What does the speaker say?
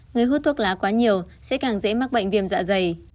người hút thuốc lá quá nhiều sẽ càng dễ mắc bệnh viêm dạ dày